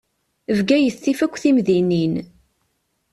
Bgayet tif akk timdinin.